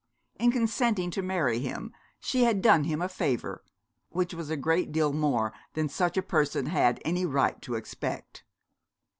In consenting to marry him she had done him a favour which was a great deal more than such a person had any right to expect.